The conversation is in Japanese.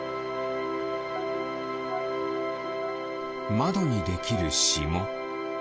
まどにできるしも。